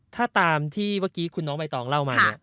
ถ้าตามที่เมื่อกี้คุณน้องไปต่อเรามา